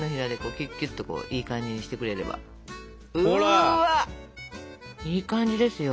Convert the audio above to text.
うわいい感じですよ